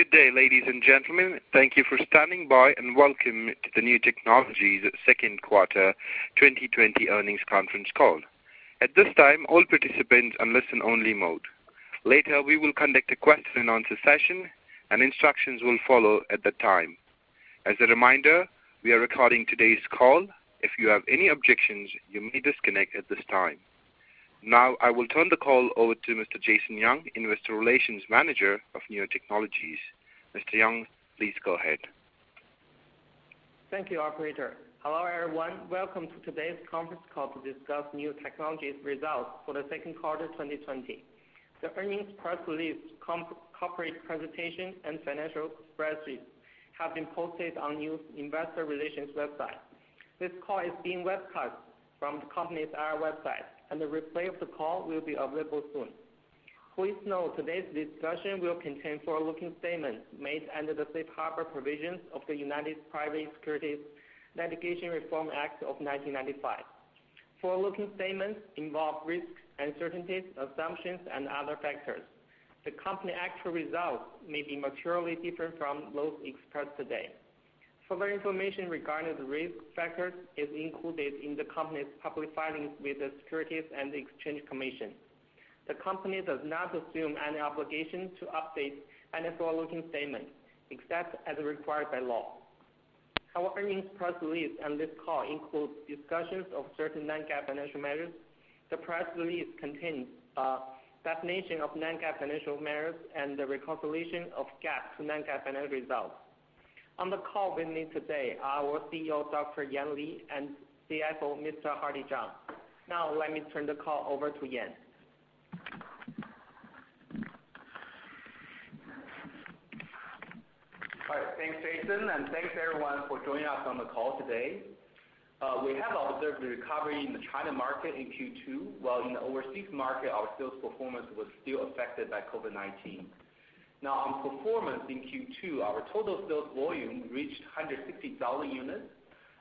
,Good day, ladies and gentlemen. Thank you for standing by, and welcome to the NIU Technologies' second quarter 2020 earnings conference call. At this time, all participants are listen mode. Later, we will conduct a question-and-answer session, and instructions will follow at the time. As a reminder, we are recording today's call. If you have any objections, you may disconnect at this time. Now I will turn the call over to Mr. Jason Yang, investor relations manager of Niu Technologies. Mr. Yang, please go ahead. Thank you, operator. Hello, everyone. Welcome to today's conference call to discuss Niu Technologies' results for the second quarter of 2020. The earnings press release, corporate presentation, and financial spreadsheets have been posted on Niu's investor relations website. This call is being webcast from the company's IR website, and the replay of the call will be available soon. Please note today's discussion will contain forward-looking statements made under the Safe Harbor provisions of the United States Private Securities Litigation Reform Act of 1995. Forward-looking statements involve risks, uncertainties, assumptions, and other factors. The company's actual results may be materially different from those expressed today. Further information regarding the risk factors is included in the company's public filings with the Securities and Exchange Commission. The company does not assume any obligation to update any forward-looking statements except as required by law. Our earnings press release on this call includes discussions of certain non-GAAP financial measures. The press release contains a definition of non-GAAP financial measures and the reconciliation of GAAP to non-GAAP financial results. On the call with me today are our CEO, Dr. Yan Li, and CFO, Mr. Hardy Zhang. Now let me turn the call over to Yan. All right. Thanks, Jason, and thanks, everyone, for joining us on the call today. We have observed the recovery in the China market in Q2, while in the overseas market, our sales performance was still affected by COVID-19. Now, on performance in Q2, our total sales volume reached 160,000 units,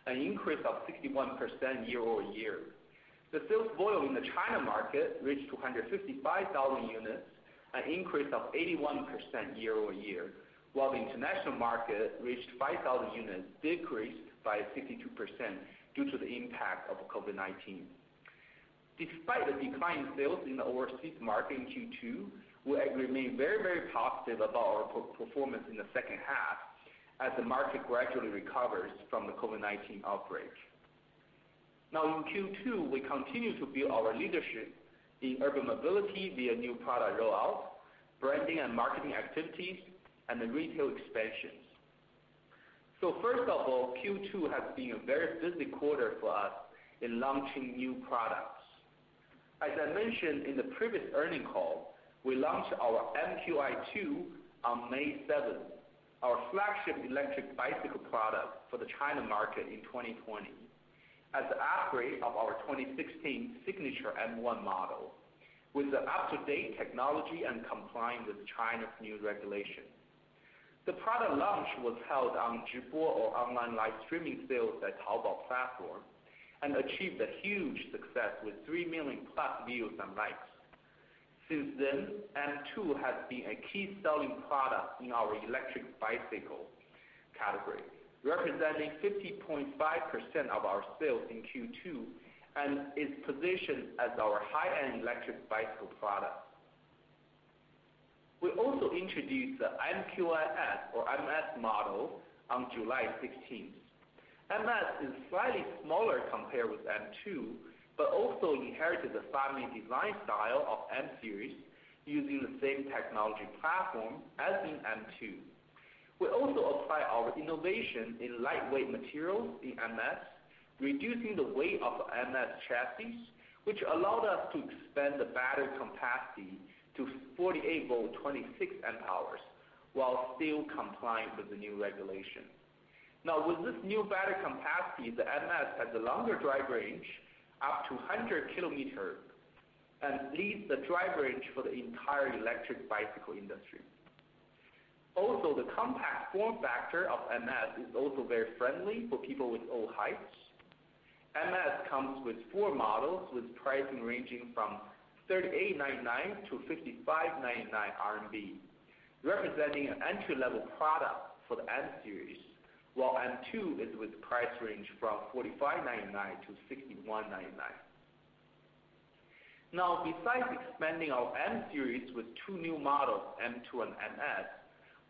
an increase of 61% year-over-year. The sales volume in the China market reached 255,000 units, an increase of 81% year-over-year, while the international market reached 5,000 units, decreased by 62% due to the impact of COVID-19. Despite a decline in sales in the overseas market in Q2, we remain very positive about our performance in the second half as the market gradually recovers from the COVID-19 outbreak. Now in Q2, we continue to build our leadership in urban mobility via new product rollout, branding and marketing activities, and the retail expansions. First of all, Q2 has been a very busy quarter for us in launching new products. As I mentioned in the previous earning call, we launched our MQi2 on May 7th, our flagship electric bicycle product for the China market in 2020. As an upgrade of our 2016 signature M1 model with the up-to-date technology and complying with China's new regulation. The product launch was held on Zhibo or online live streaming sales at Taobao platform and achieved a huge success with 3 million-plus views and likes. Since then, M2 has been a key selling product in our electric bicycle category, representing 50.5% of our sales in Q2, and is positioned as our high-end electric bicycle product. We also introduced the MQiS or MS model on July 16th. MS is slightly smaller compared with M2, but also inherited the family design style of N-Series using the same technology platform as in M2. We also apply our innovation in lightweight materials in NS, reducing the weight of MS chassis, which allowed us to expand the battery capacity to 48 volt 26 amp hours while still complying with the new regulation. With this new battery capacity, the MS has a longer drive range, up to 100 km, and leads the drive range for the entire electric bicycle industry. The compact form factor of MS is also very friendly for people with all heights. MS comes with four models with pricing ranging from 3,899-5,599 RMB, representing an entry-level product for the N-Series, while M2 is with price range from 4,599-6,199. Now besides expanding our N-series with two new models, M2 and NS,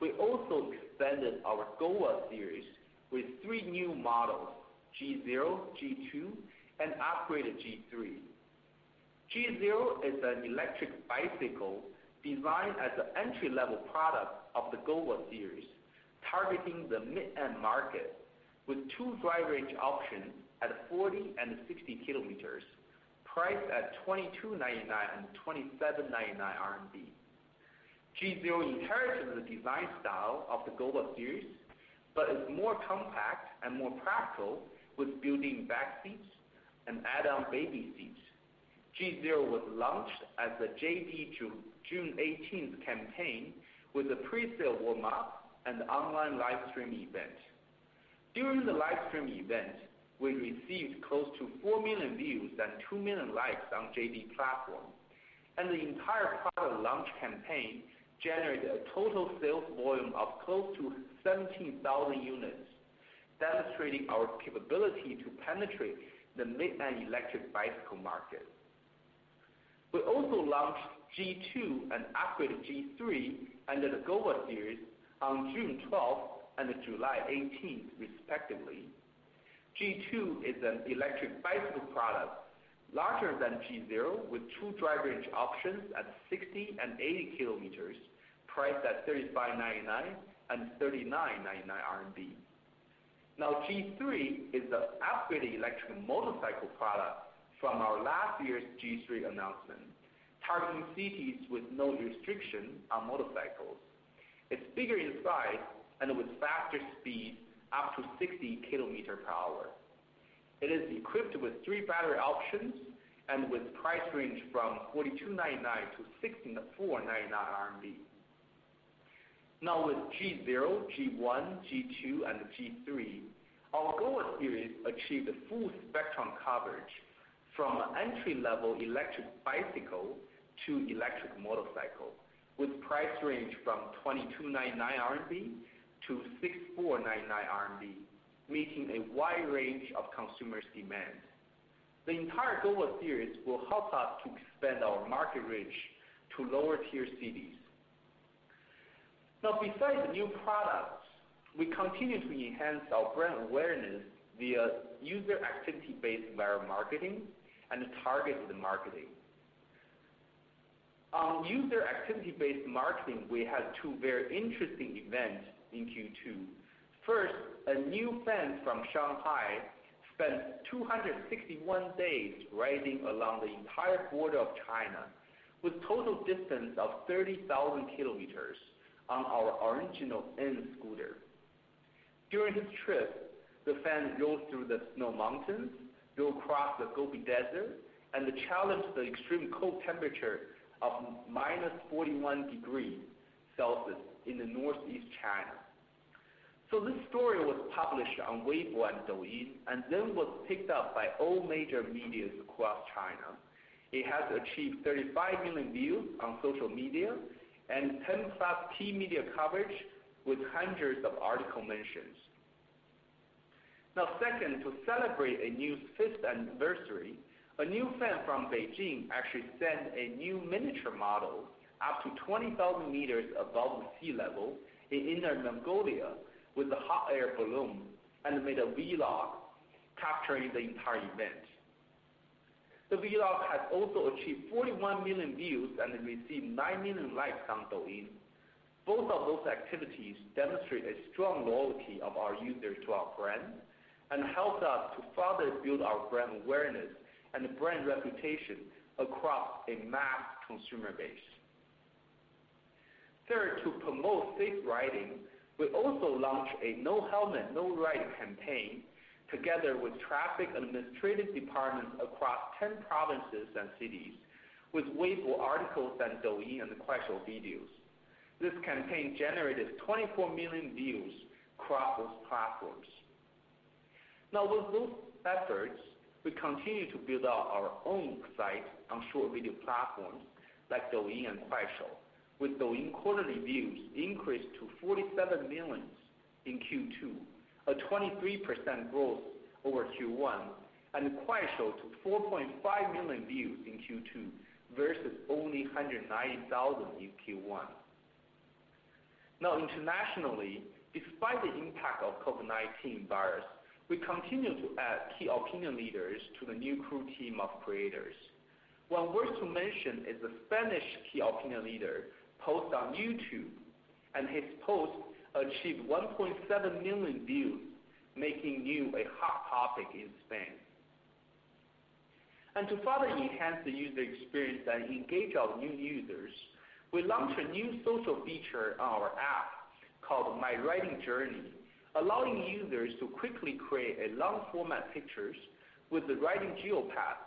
we also expanded our GOVA series with three new models: G0, G2, and upgraded G3. G0 is an electric bicycle designed as an entry-level product of the GOVA series, targeting the mid-end market with two drive range options at 40 and 60 kilometers, priced at 2,299 and 2,799 RMB. G0 inherited the design style of the GOVA series, but is more compact and more practical with built-in back seats and add-on baby seats. G0 was launched at the JD June 18th campaign with a pre-sale warm-up and online live stream event. During the livestream event, we received close to 4 million views and 2 million likes on JD platform, and the entire product launch campaign generated a total sales volume of close to 17,000 units, demonstrating our capability to penetrate the mid-end electric bicycle market. We also launched G2 and upgraded G3 under the Gova series on June 12th and July 18th, respectively. G2 is an electric bicycle product larger than G0, with two drive range options at 60 and 80 kilometers, priced at 3,599 and 3,999 RMB. G3 is the upgraded electric motorcycle product from our last year's G3 announcement, targeting cities with no restriction on motorcycles. It is bigger in size and with faster speed, up to 60 kilometers per hour. It is equipped with three battery options and with price range from 4,299 to 6,499 RMB. With G0, G1, G2, and G3, our Gova series achieved a full spectrum coverage from an entry-level electric bicycle to electric motorcycle, with price range from 2,299 RMB to 6,499 RMB, meeting a wide range of consumers' demand. The entire Gova series will help us to expand our market reach to lower-tier cities. Besides new products, we continue to enhance our brand awareness via user activity-based viral marketing and targeted marketing. On user activity-based marketing, we had two very interesting events in Q2. First, a new fan from Shanghai spent 261 days riding along the entire border of China with total distance of 30,000 kilometers on our original N-Series scooter. During his trip, the fan drove through the snow mountains, drove across the Gobi Desert, and challenged the extreme cold temperature of -41 degrees Celsius in Northeast China. This story was published on Weibo and Douyin and then was picked up by all major medias across China. It has achieved 35 million views on social media and 10 top-tier media coverage with hundreds of article mentions. Second, to celebrate NIU's fifth anniversary, a new fan from Beijing actually sent a new miniature model up to 20,000 meters above the sea level in Inner Mongolia with a hot air balloon and made a vlog capturing the entire event. The vlog has also achieved 41 million views and received nine million likes on Douyin. Both of those activities demonstrate a strong loyalty of our users to our brand and helped us to further build our brand awareness and brand reputation across a mass consumer base. Third, to promote safe riding, we also launched a No Helmet, No Ride campaign together with traffic administrative departments across 10 provinces and cities, with Weibo articles and Douyin and Kuaishou videos. This campaign generated 24 million views across those platforms. With those efforts, we continue to build out our own site on short video platforms like Douyin and Kuaishou, with Douyin quarterly views increased to 47 million in Q2, a 23% growth over Q1. Kuaishou to 4.5 million views in Q2 versus only 190,000 in Q1. Internationally, despite the impact of COVID-19 virus, we continue to add key opinion leaders to the Niu Crew team of creators. One worth to mention is a Spanish key opinion leader post on YouTube. His post achieved 1.7 million views, making Niu a hot topic in Spain. To further enhance the user experience and engage our new users, we launched a new social feature on our app called My Riding Journey, allowing users to quickly create long-format pictures with the riding geo-path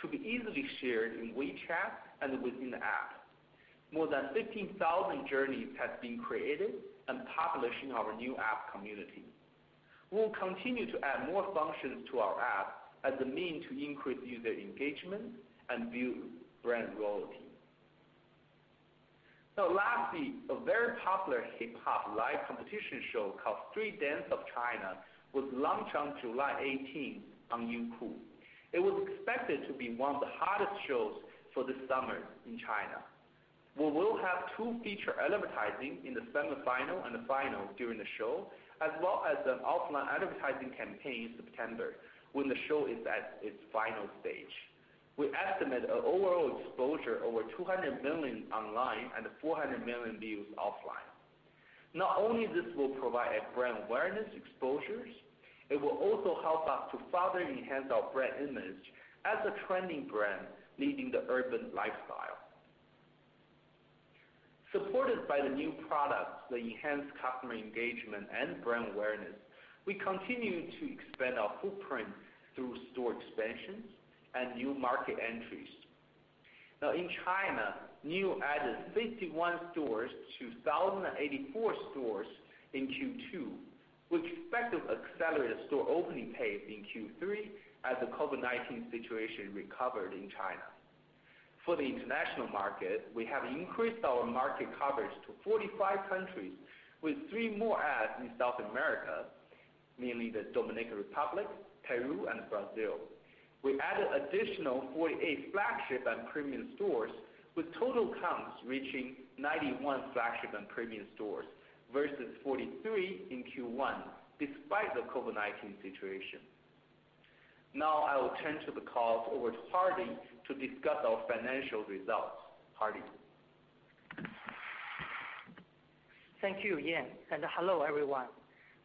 to be easily shared in WeChat and within the app. More than 15,000 journeys have been created and published in our Niu app community. We'll continue to add more functions to our app as a means to increase user engagement and build brand loyalty. Lastly, a very popular hip hop live competition show called Street Dance of China was launched on July 18th on Youku. It was expected to be one of the hottest shows for this summer in China. We will have two feature advertising in the semifinal and the final during the show, as well as an offline advertising campaign in September when the show is at its final stage. We estimate an overall exposure over 200 million online and 400 million views offline. Not only this will provide brand awareness exposures, it will also help us to further enhance our brand image as a trending brand leading the urban lifestyle. Supported by the new products that enhance customer engagement and brand awareness, we continue to expand our footprint through store expansions and new market entries. In China, Niu added 51 stores to 1,084 stores in Q2, which further accelerated store opening pace in Q3 as the COVID-19 situation recovered in China. For the international market, we have increased our market coverage to 45 countries, with three more adds in South America, namely the Dominican Republic, Peru, and Brazil. We added additional 48 flagship and premium stores, with total counts reaching 91 flagship and premium stores versus 43 in Q1, despite the COVID-19 situation. I will turn the call over to Hardy to discuss our financial results. Hardy? Thank you, Yan. Hello, everyone.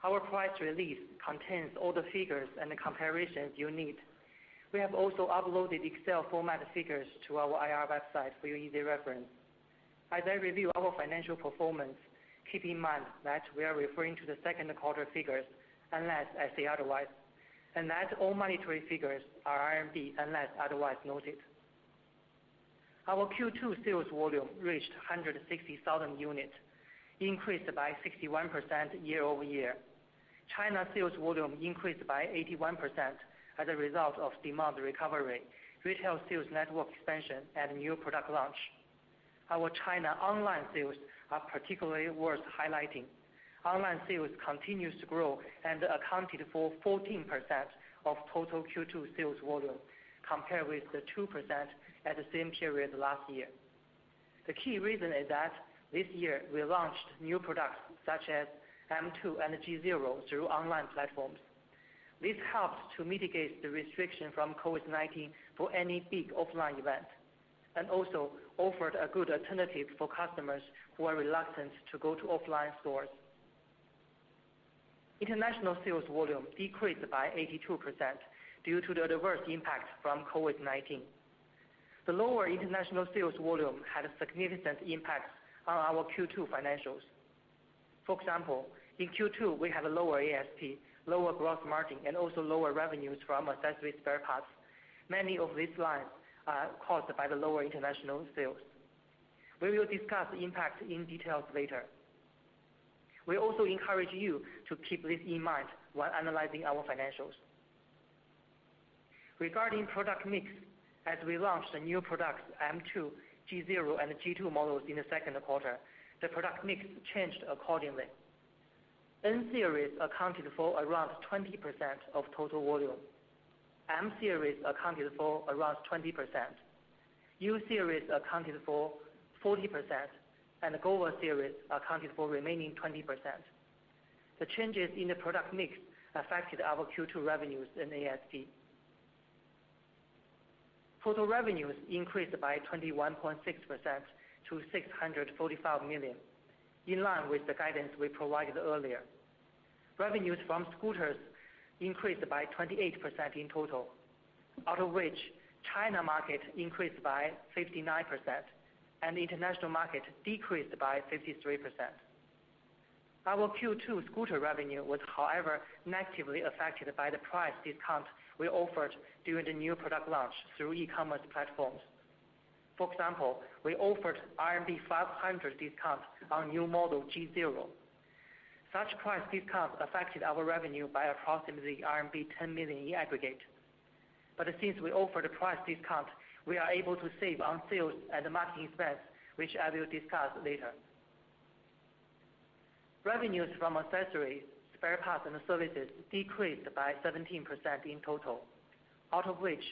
Our press release contains all the figures and the comparisons you need. We have also uploaded Excel format figures to our IR website for your easy reference. As I review our financial performance, keep in mind that we are referring to the second quarter figures, unless I say otherwise, and that all monetary figures are RMB unless otherwise noted. Our Q2 sales volume reached 160,000 units, increased by 61% year-over-year. China sales volume increased by 81% as a result of demand recovery, retail sales network expansion, and new product launch. Our China online sales are particularly worth highlighting. Online sales continues to grow and accounted for 14% of total Q2 sales volume, compared with the 2% at the same period last year. The key reason is that this year we launched new products such as M-Series and G0 through online platforms. This helped to mitigate the restrictions from COVID-19 for any big offline event, and also offered a good alternative for customers who are reluctant to go to offline stores. International sales volume decreased by 82% due to the adverse impact from COVID-19. The lower international sales volume had a significant impact on our Q2 financials. For example, in Q2, we have a lower ASP, lower gross margin, and also lower revenues from accessory spare parts. Many of these lines are caused by the lower international sales. We will discuss the impact in detail later. We also encourage you to keep this in mind when analyzing our financials. Regarding product mix, as we launched the new products, M-Series, G0, and the G2 models in the second quarter, the product mix changed accordingly. N-Series accounted for around 20% of total volume. M-Series accounted for around 20%. U series accounted for 40%, and the Gova series accounted for remaining 20%. The changes in the product mix affected our Q2 revenues and ASP. Total revenues increased by 21.6% to 645 million, in line with the guidance we provided earlier. Revenues from scooters increased by 28% in total, out of which China market increased by 59% and the international market decreased by 53%. Our Q2 scooter revenue was, however, negatively affected by the price discount we offered during the new product launch through e-commerce platforms. For example, we offered RMB 500 discount on new model G0. Such price discounts affected our revenue by approximately RMB 10 million in aggregate. Since we offered a price discount, we are able to save on sales and marketing expense, which I will discuss later. Revenues from accessories, spare parts, and services decreased by 17% in total, out of which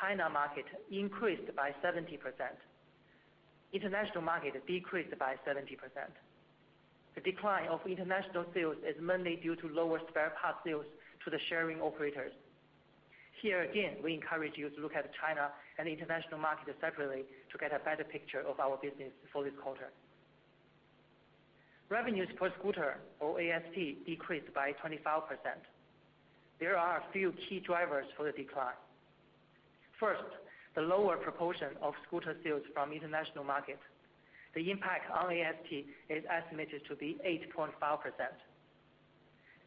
China market increased by 70%. International market decreased by 70%. The decline of international sales is mainly due to lower spare parts sales to the sharing operators. Here, again, we encourage you to look at China and the international market separately to get a better picture of our business for this quarter. Revenues per scooter or ASP decreased by 25%. There are a few key drivers for the decline. First, the lower proportion of scooter sales from international market. The impact on ASP is estimated to be 8.5%.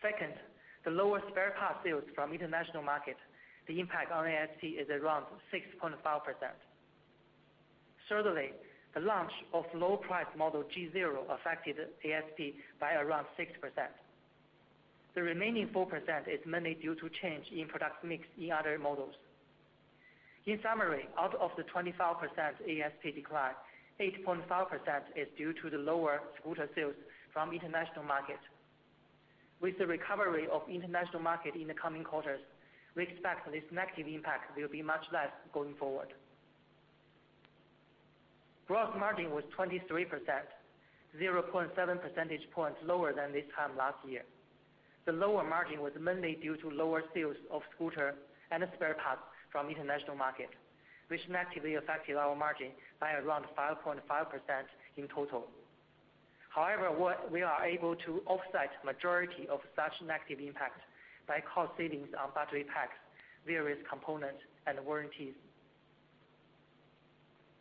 Second, the lower spare parts sales from the international market. The impact on ASP is around 6.5%. Thirdly, the launch of low-price model G0 affected ASP by around 6%. The remaining 4% is mainly due to change in product mix in other models. In summary, out of the 25% ASP decline, 8.5% is due to the lower scooter sales from international markets. With the recovery of international market in the coming quarters, we expect this negative impact will be much less going forward. Gross margin was 23%, 0.7 percentage points lower than this time last year. The lower margin was mainly due to lower sales of scooter and spare parts from international market, which negatively affected our margin by around 5.5% in total. However, we are able to offset majority of such negative impact by cost savings on battery packs, various components, and warranties.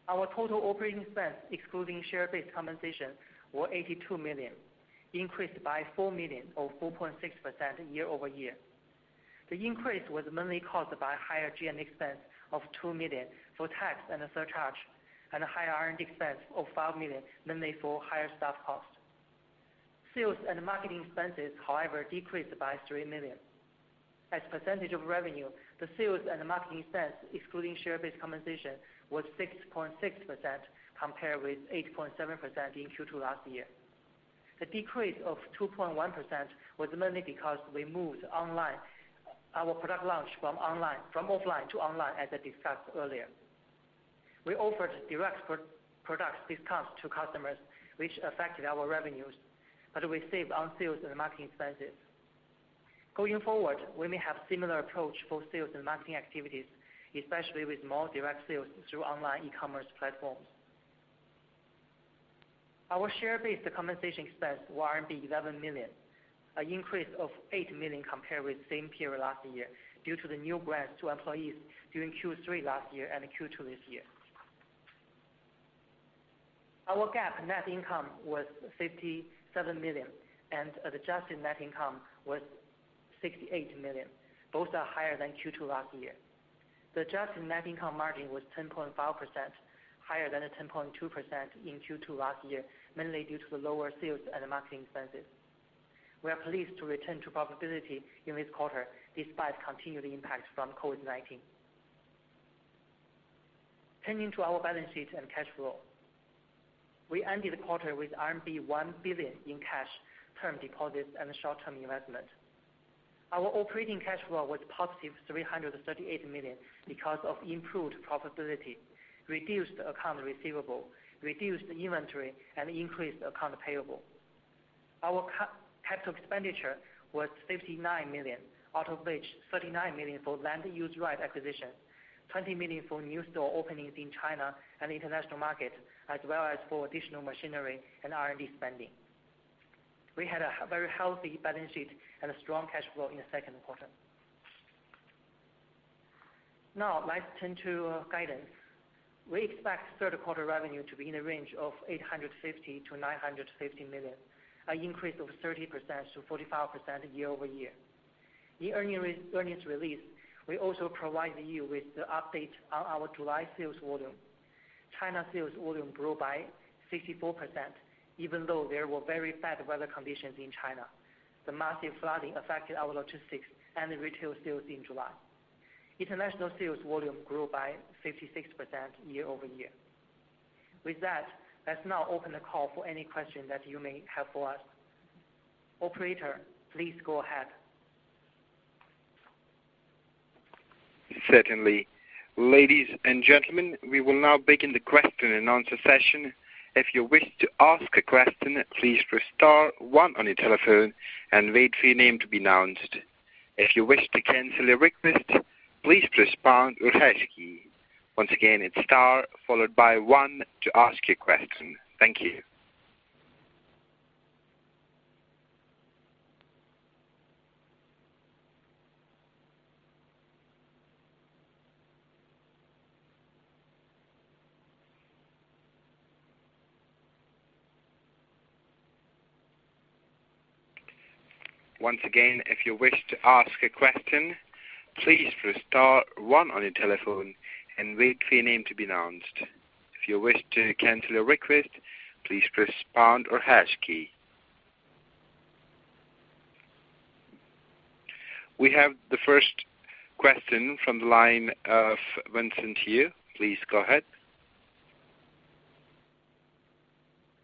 Our total operating expense, excluding share-based compensation, were 82 million, increased by 4 million or 4.6% year-over-year. The increase was mainly caused by higher G&A expense of $2 million for tax and a surcharge, and a higher R&D expense of 5 million, mainly for higher staff costs. Sales and marketing expenses, however, decreased by 3 million. As a percentage of revenue, the sales and marketing expense, excluding share-based compensation, was 6.6%, compared with 8.7% in Q2 last year. The decrease of 2.1% was mainly because we moved our product launch from offline to online, as I discussed earlier. We offered direct product discounts to customers, which affected our revenues, but we saved on sales and marketing expenses. Going forward, we may have similar approach for sales and marketing activities, especially with more direct sales through online e-commerce platforms. Our share-based compensation expense were RMB 11 million, an increase of 8 million compared with the same period last year, due to the new grants to employees during Q3 last year and Q2 this year. Our GAAP net income was 57 million, and adjusted net income was 68 million. Both are higher than Q2 last year. The adjusted net income margin was 10.5%, higher than the 10.2% in Q2 last year, mainly due to the lower sales and marketing expenses. We are pleased to return to profitability in this quarter, despite continued impact from COVID-19. Turning to our balance sheet and cash flow. We ended the quarter with RMB 1 billion in cash term deposits and short-term investment. Our operating cash flow was positive 338 million because of improved profitability, reduced account receivable, reduced inventory, and increased accounts payable. Our capital expenditure was 59 million, out of which 39 million for land use right acquisition, 20 million for new store openings in China and the international market, as well as for additional machinery and R&D spending. We had a very healthy balance sheet and a strong cash flow in the second quarter. Now, let's turn to guidance. We expect third quarter revenue to be in the range of 850 million to 950 million, an increase of 30%-45% year-over-year. In earnings release, we also provided you with the update on our July sales volume. China sales volume grew by 64%, even though there were very bad weather conditions in China. The massive flooding affected our logistics and retail sales in July. International sales volume grew by 56% year-over-year. With that, let's now open the call for any questions that you may have for us. Operator, please go ahead. Ladies and gentlemen, we will now begin the question-and-answer session. If you wish to ask a question, please press star one on your telephone and wait for your name to be announced. If you wish to cancel your request, please press pound or hash key. Once again, it is star, followed by one to ask your question. Thank you. Once again, if you wish to ask a question, please press star one on your telephone and wait for your name to be announced. If you wish to cancel your request, please press pound or hash key. We have the first question from the line of Vincent Yu. Please go ahead.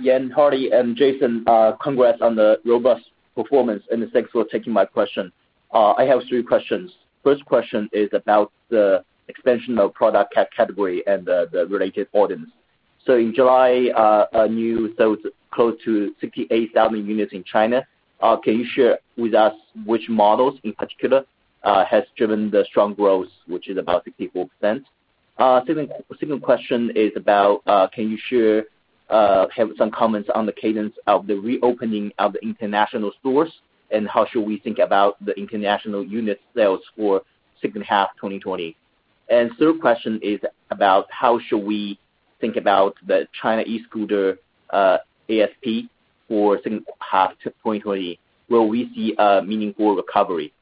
Yan, Hardy, and Jason, congrats on the robust performance, and thanks for taking my question. I have three questions. First question is about the expansion of product category and the related orders. In July, you sold close to 68,000 units in China. Can you share with us which models in particular have driven the strong growth, which is about 64%? Second question is, can you share some comments on the cadence of the reopening of the international stores, and how should we think about the international unit sales for second half 2020? The third question is about how should we think about the China e-scooter ASP for second half 2020? Will we see a meaningful recovery?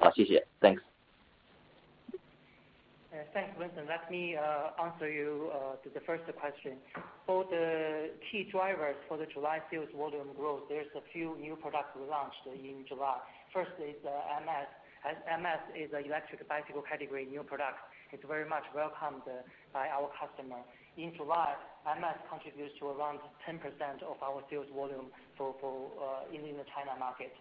Thanks. Thanks, Vincent. Let me answer you to the first question. For the key drivers for the July sales volume growth, there's a few new products we launched in July. First is MS. MS is a electric bicycle category new product. It's very much welcomed by our customer. In July, MS contributes to around 10% of our sales volume in the China market.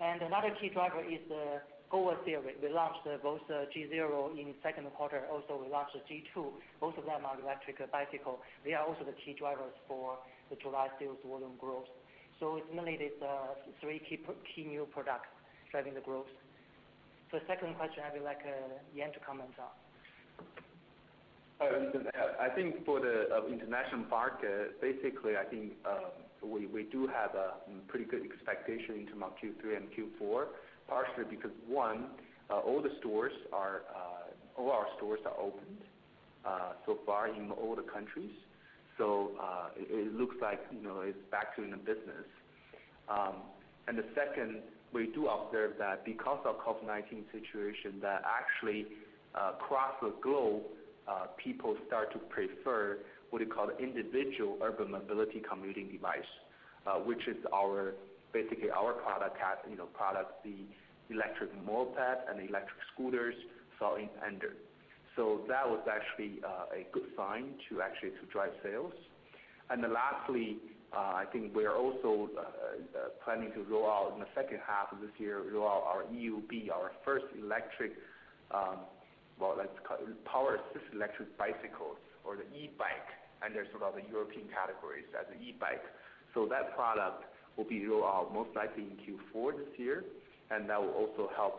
Another key driver is the Gova series. We launched both G0 in the second quarter, also we launched the G2. Both of them are electric bicycle. They are also the key drivers for the July sales volume growth. It's mainly these three key new product driving the growth. Second question, I would like Yan to comment on. I think for the international market, basically, I think we do have a pretty good expectation in terms of Q3 and Q4, partially because one, all our stores are opened so far in all the countries. It looks like it's back to business. The second, we do observe that because of COVID-19 situation, that actually, across the globe, people start to prefer what you call individual urban mobility commuting device, which is basically our product, the electric moped and electric scooters fell under. That was actually a good sign to actually drive sales. Lastly, I think we are also planning to roll out in the second half of this year, roll out our EUB-01, our first electric, well, let's call it power-assisted electric bicycles or the e-bike, under sort of the European categories as an e-bike. That product will be rolled out most likely in Q4 this year, and that will also help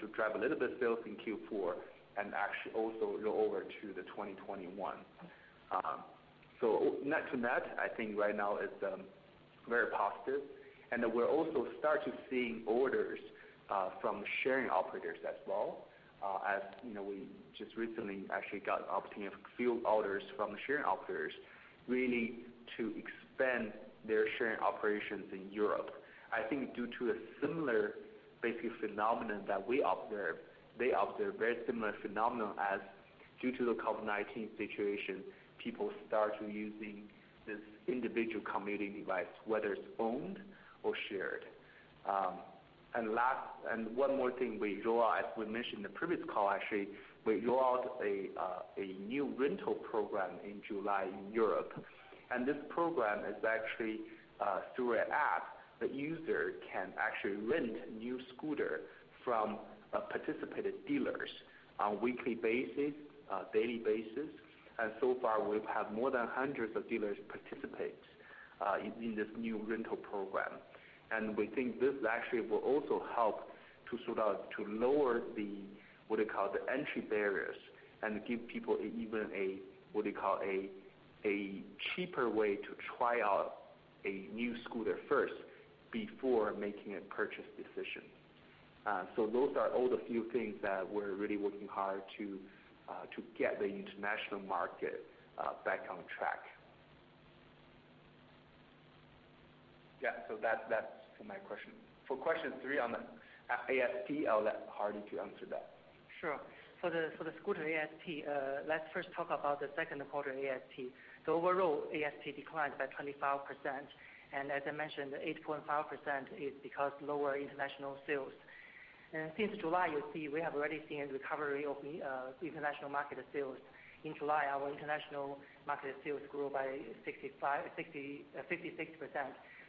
to drive a little bit sales in Q4 and actually also roll over to the 2021. Net to net, I think right now it's very positive, and we're also start to seeing orders from sharing operators as well. As we just recently actually got opportunity of a few orders from sharing operators, really to expand their sharing operations in Europe. I think due to a similar basic phenomenon that we observe, they observe very similar phenomenon as due to the COVID-19 situation, people start using this individual commuting device, whether it's owned or shared. One more thing we realized, we mentioned in the previous call, actually, we rolled out a new rental program in July in Europe. This program is actually through an app. The user can actually rent NIU scooter from participated dealers on weekly basis, daily basis. So far, we've had more than hundreds of dealers participate in this NIU rental program. We think this actually will also help to sort out, to lower the, what they call the entry barriers and give people even a cheaper way to try out a NIU scooter first before making a purchase decision. Those are all the few things that we're really working hard to get the international market back on track. Yeah, that's for my question. For question three on the ASP, I'll let Hardy to answer that. Sure. For the scooter ASP, let's first talk about the second quarter ASP. Overall, ASP declined by 25%, and as I mentioned, the 8.5% is because lower international sales. Since July, you see we have already seen a recovery of international market sales. In July, our international market sales grew by 56%.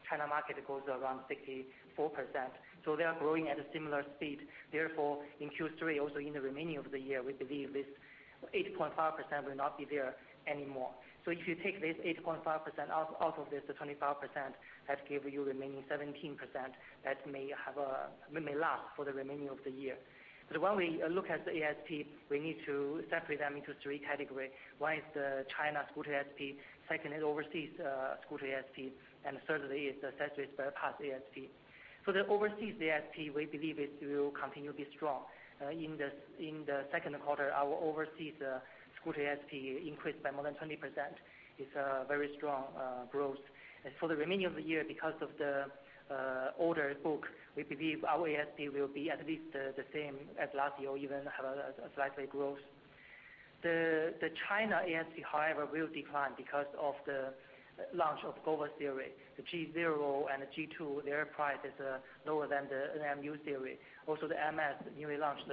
China market goes around 64%, so they are growing at a similar speed. In Q3, also in the remaining of the year, we believe this 8.5% will not be there anymore. If you take this 8.5% out of this 25%, that give you remaining 17%, that may last for the remaining of the year. When we look at the ASP, we need to separate them into three category. One is the China scooter ASP, second is overseas scooter ASP, and thirdly is accessories spare parts ASP. The overseas ASP, we believe it will continue to be strong. In the second quarter, our overseas scooter ASP increased by more than 20%, is a very strong growth. For the remaining of the year, because of the order book, we believe our ASP will be at least the same as last year or even have a slightly growth. The China ASP, however, will decline because of the launch of Gova series, the G0 and the G2, their price is lower than the MU series. Also, the MS, newly launched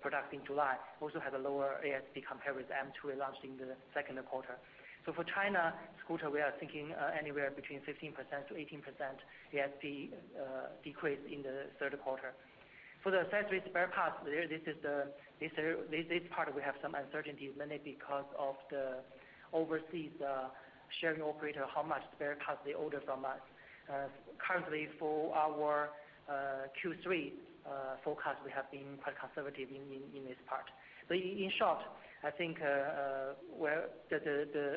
product in July, also has a lower ASP compared with M2 launched in the second quarter. For China scooter, we are thinking anywhere between 15%-18% ASP decrease in the third quarter. For the accessories spare parts, this part we have some uncertainties, mainly because of the overseas sharing operator, how much spare parts they order from us. Currently, for our Q3 forecast, we have been quite conservative in this part. In short, I think the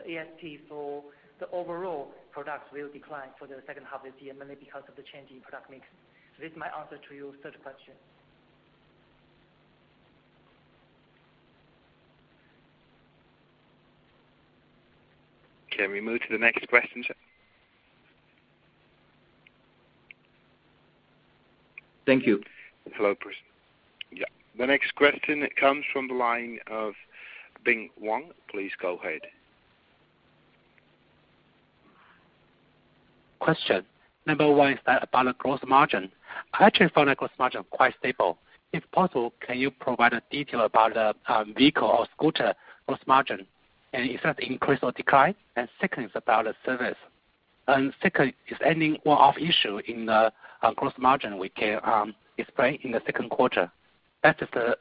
ASP for the overall products will decline for the second half this year, mainly because of the change in product mix. This my answer to your third question. Can we move to the next question? Thank you. Hello. Yeah. The next question comes from the line of Bing Wang. Please go ahead. Question. Number one is about gross margin. I actually found that gross margin quite stable. If possible, can you provide a detail about the vehicle or scooter gross margin, and if that increased or declined? Second is about a service. Second, is any one-off issue in the gross margin we can explain in the second quarter? That is the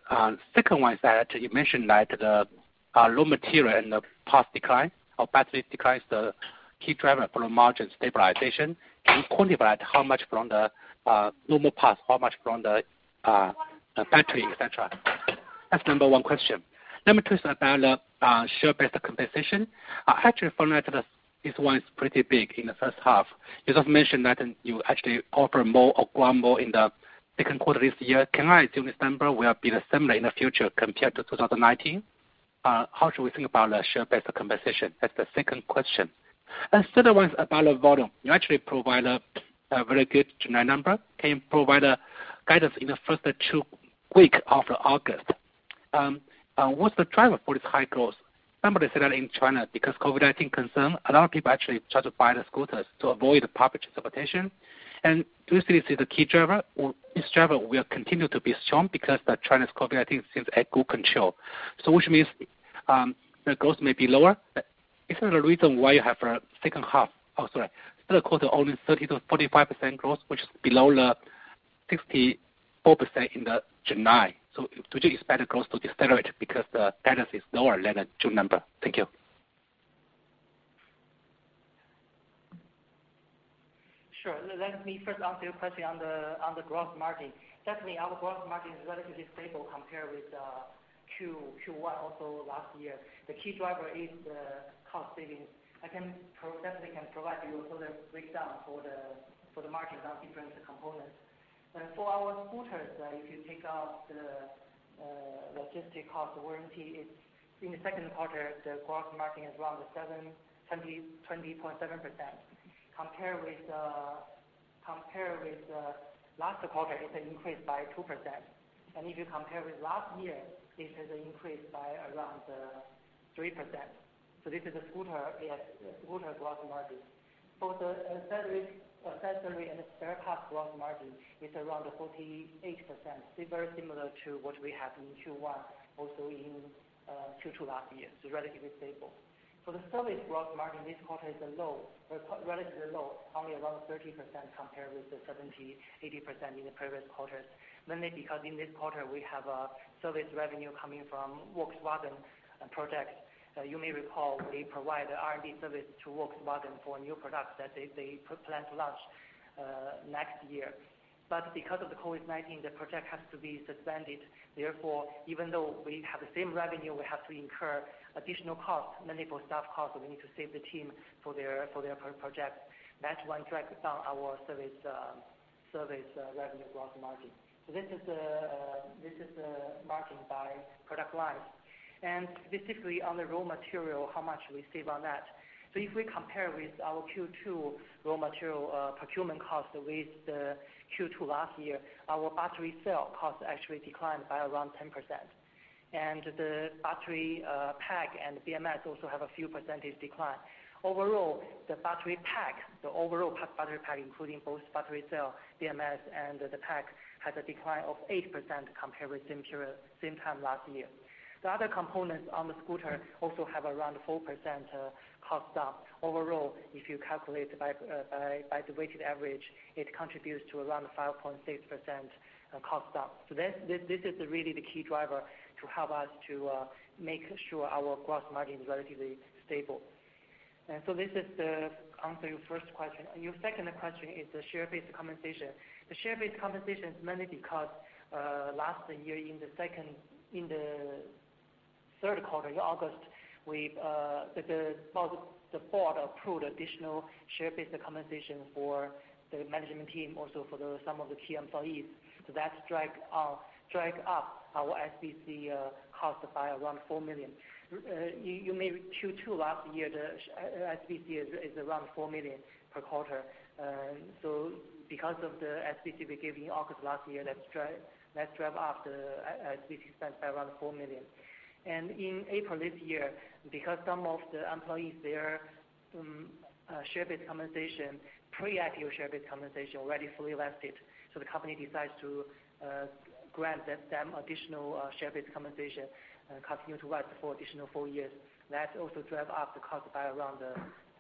second one, is that you mentioned that the raw material and the parts decline or batteries declines, the key driver for margin stabilization. Can you quantify how much from the normal parts, how much from the battery, et cetera? That's Number one question. Number two is about share-based compensation. I actually found out that this one is pretty big in the first half. You just mentioned that you actually offer more or grant more in the second quarter this year. Can I assume this number will be similar in the future compared to 2019? How should we think about the share-based compensation? That's the second question. Third one is about the volume. You actually provide a very good July number. Can you provide guidance in the first two weeks of August? What's the driver for this high growth? Somebody said that in China, because COVID-19 concern, a lot of people actually try to buy scooters to avoid public transportation, and do you still see the key driver? This driver will continue to be strong because the China's COVID, I think, seems at good control. Which means the growth may be lower. Oh, sorry. Is it because of only 30%-45% growth, which is below the 64% in July? Should you expect the growth to accelerate because the status is lower than June number? Thank you. Sure. Let me first answer your question on the gross margin. Definitely, our gross margin is relatively stable compared with Q1 also last year. The key driver is the cost savings. I can definitely provide you further breakdown for the margin on different components. For our scooters, if you take out the logistic cost warranty, in the second quarter, the gross margin is around 20.7%. Compared with last quarter, it increased by 2%. If you compare with last year, this has increased by around 3%. This is the scooter's gross margin. For the accessories and spare parts gross margin is around 48%, still very similar to what we have in Q1, also in Q2 last year, so relatively stable. For the service gross margin, this quarter is low, relatively low, only around 30% compared with the 70%, 80% in the previous quarters. In this quarter, we have a service revenue coming from Volkswagen projects. You may recall, we provide R&D service to Volkswagen for a new product that they plan to launch next year. Because of the COVID-19, the project has to be suspended. Even though we have the same revenue, we have to incur additional costs, mainly for staff costs, we need to save the team for their project. That one drags down our service revenue gross margin. This is the margin by product line. Specifically, on the raw material, how much we save on that. If we compare with our Q2 raw material procurement cost with Q2 last year, our battery cell cost actually declined by around 10%. The battery pack and BMS also have a few percentage decline. Overall, the battery pack, including both battery cell, BMS, and the pack, has a decline of 8% compared with same time last year. The other components on the scooter also have around 4% cost down. Overall, if you calculate by the weighted average, it contributes to around 5.6% cost down. This is really the key driver to help us to make sure our gross margin is relatively stable. This is to answer your first question. Your second question is the share-based compensation. The share-based compensation is mainly because last year in the third quarter, in August, the board approved additional share-based compensation for the management team, also for some of the key employees. That dragged up our SBC cost by around 4 million. Q2 last year, the SBC is around 4 million per quarter. Because of the SBC we gave in August last year, that dragged up the SBC spend by around $4 million. In April this year, because some of the employees, their share-based compensation, pre-IPO share-based compensation, already fully vested, so the company decides to grant them additional share-based compensation, continue to vest for additional four years. That also drove up the cost by around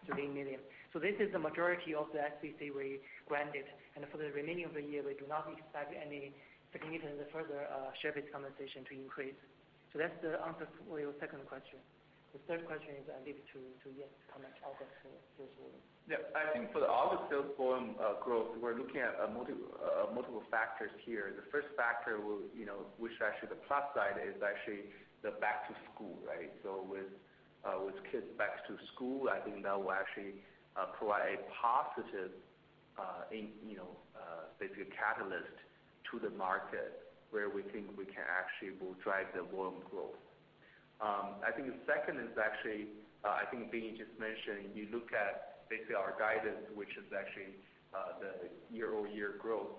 $3 million. This is the majority of the SBC we granted, and for the remaining of the year, we do not expect any significant further share-based compensation to increase. That's the answer for your second question. The third question is, I leave to Yan to comment on the sales volume. Yeah. I think for all the sales volume growth, we're looking at multiple factors here. The first factor, which actually the plus side, is actually the back-to-school, right? With kids back to school, I think that will actually provide a positive, basically a catalyst to the market, where we think we can actually will drive the volume growth. I think the second is actually, I think Yan Li just mentioned, you look at basically our guidance, which is actually the year-over-year growth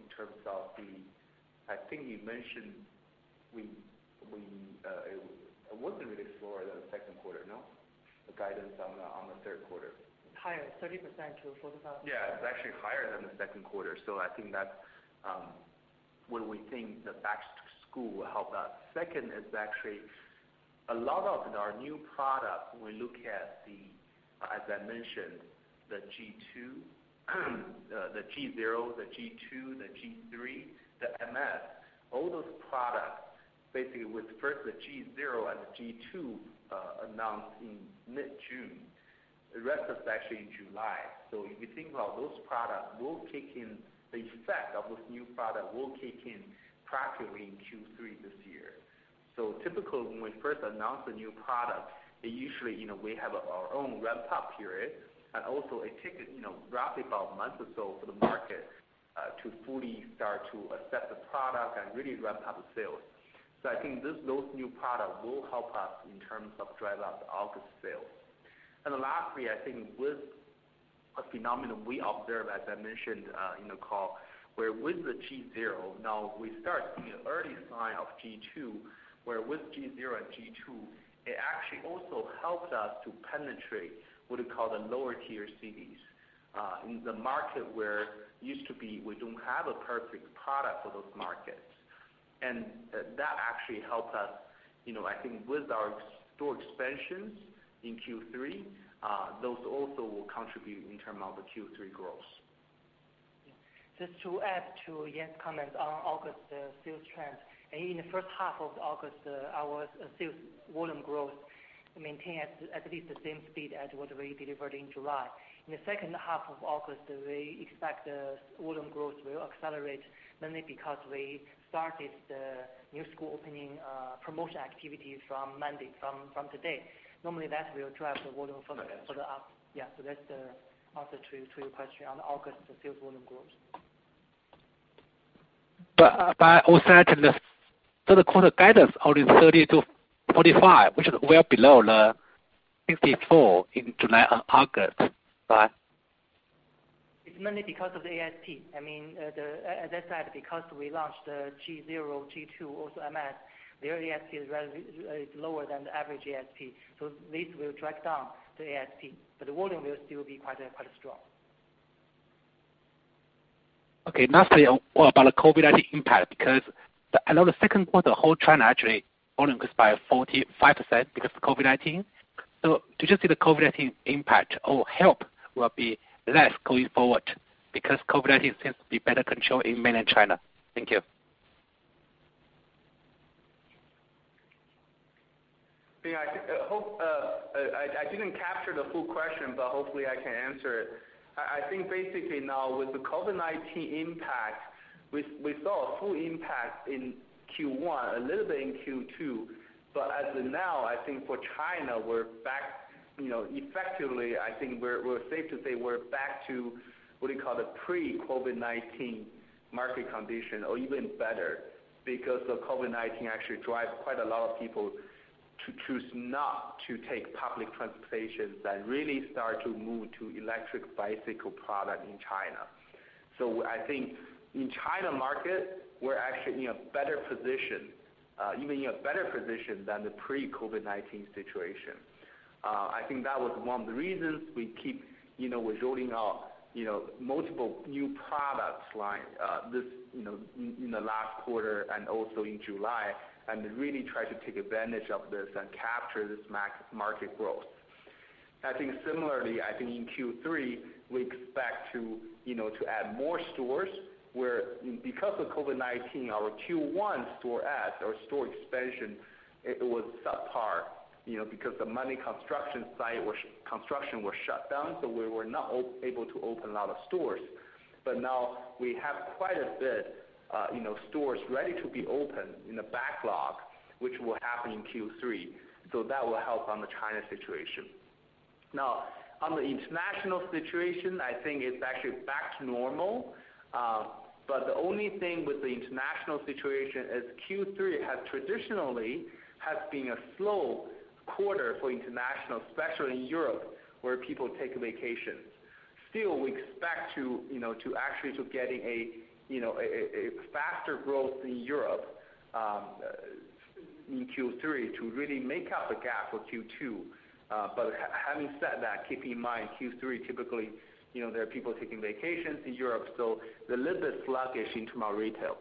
in terms of the. I think you mentioned it wasn't really slower than the second quarter, no? The guidance on the third quarter. It's higher, 30%-45% Yeah, it's actually higher than the second quarter. I think that's where we think the back-to-school will help us. Second is actually, a lot of our new products, when we look at the, as I mentioned, the G2, the G0, the G2, the G3, the MS. All those products, basically with first the G0 and the G2 announced in mid-June. The rest is actually in July. If you think about those products will kick in, the effect of those new product will kick in practically in Q3 this year. Typical when we first announce a new product, they usually, we have our own ramp-up period, and also it takes roughly about a month or so for the market to fully start to accept the product and really ramp up the sales. I think those new products will help us in terms of drive up August sales. Lastly, I think with a phenomenon we observe, as I mentioned in the call, where with the G0, now we start seeing early sign of G2, where with G0 and G2, it actually also helps us to penetrate what we call the lower tier cities. In the market where it used to be, we don't have a perfect product for those markets. That actually helped us, I think with our store expansions in Q3, those also will contribute in term of the Q3 growth. Just to add to Yan's comment on August sales trends. In the first half of August, our sales volume growth maintained at least the same speed as what we delivered in July. In the second half of August, we expect volume growth will accelerate mainly because we started the new school opening promotion activities from Monday, from today. Normally, that will drive the volume. For the app. Yeah. That's the answer to your question on August sales volume growth. All that to the side, the quarter guidance only 30-45, which is well below the 54 in July and August. It's mainly because of the ASP. As I said, because we launched the G0, G2, also MS, their ASP is lower than the average ASP, so this will drive down the ASP, but the volume will still be quite strong. Okay. Lastly, what about the COVID-19 impact? Because I know the second quarter whole China actually volume was by 45% because of COVID-19. Do you see the COVID-19 impact or help will be less going forward because COVID-19 seems to be better controlled in Mainland China? Thank you. Yeah. I didn't capture the full question, but hopefully I can answer it. I think basically now with the COVID-19 impact, we saw a full impact in Q1, a little bit in Q2, but as of now, I think for China, effectively, I think we're safe to say we're back to what you call the pre-COVID-19 market condition or even better because the COVID-19 actually drive quite a lot of people to choose not to take public transportations and really start to move to electric bicycle product in China. I think in China market, we're actually in a better position, even in a better position than the pre-COVID-19 situation. I think that was one of the reasons we keep rolling out multiple new products in the last quarter and also in July, and really try to take advantage of this and capture this market growth. I think similarly, I think in Q3 we expect to add more stores where because of COVID-19, our Q1 store adds, our store expansion, it was subpar, because the many construction sites were shut down, so we were not able to open a lot of stores. Now we have quite a bit stores ready to be opened in the backlog, which will happen in Q3. That will help on the China situation. Now, on the international situation, I think it's actually back to normal. The only thing with the international situation is Q3 has traditionally been a slow quarter for international, especially in Europe, where people take vacations. Still, we expect to actually getting a faster growth in Europe, in Q3 to really make up the gap for Q2. Having said that, keep in mind, Q3 typically, there are people taking vacations in Europe, so they're a little bit sluggish in terms of retail.